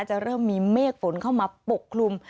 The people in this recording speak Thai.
จะเริ่มมีเมฆฝนเข้ามาปกคลุม